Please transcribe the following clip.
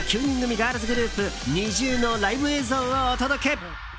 ガールズグループＮｉｚｉＵのライブ映像をお届け。